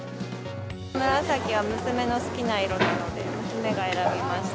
紫は娘の好きな色なので、娘が選びました。